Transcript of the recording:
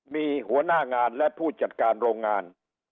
มีหัวหน้างานและผู้จัดการโรงงาน